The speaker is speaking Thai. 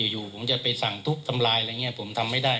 อยู่ผมจะไปสั่งทุกข์ทำลายอะไรอย่างนี้ผมทำไม่ได้